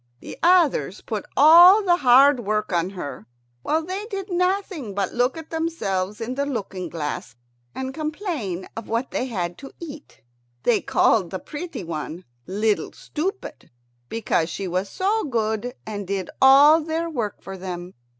The others put all the hard work on her, while they did nothing but look at themselves in the looking glass and complain of what they had to eat. They called the pretty one "Little Stupid," because she was so good and did all their work for them.